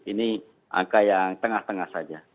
ini angka yang tengah tengah saja